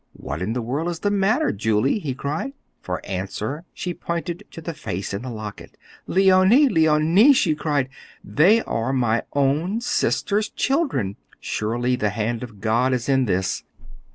"What in the world is the matter, Julie?" he cried. For answer, she pointed to the face in the locket. "Leonie! Leonie!" she cried. "They are my own sister's children! Surely the hand of God is in this!"